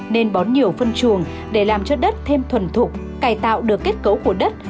nên bón nhiều phân chuồng để làm cho đất thêm thuần thục cải tạo được kết cấu của đất